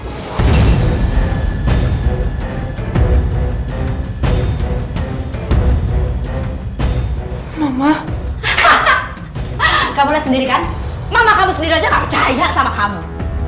hahaha kamu lihat sendiri kan mama kamu sendiri aja gak percaya sama kamu